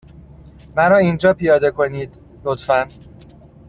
مرا اینجا پیاده کنید، لطفا.